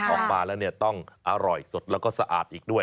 ออกมาแล้วเนี่ยต้องอร่อยสดแล้วก็สะอาดอีกด้วย